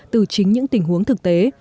từ chính những tình huống thực tế